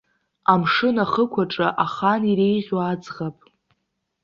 Амшын ахықә аҿы ахан, иреиӷьу аӡӷаб!